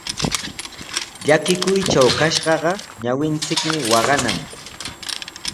Llakikuytraw kashqaqa ñawinchikmi waqanan.